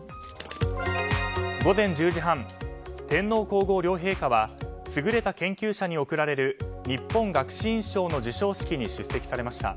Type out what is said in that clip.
午前１０時半天皇・皇后両陛下は優れた研究者に贈られる日本学士院賞の授賞式に出席されました。